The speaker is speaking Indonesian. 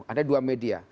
ada dua media